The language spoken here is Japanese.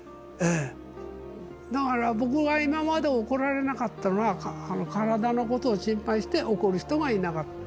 だから、僕が今まで怒られなかったのは、体のことを心配して怒る人がいなかった。